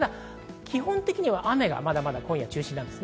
基本的には雨がまだまだ、今夜中心です。